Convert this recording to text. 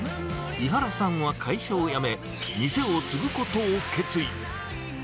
井原さんは会社を辞め、店を継ぐことを決意。